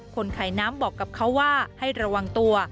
คนขายน้ำบอกกับเขาว่าให้ระวังตัว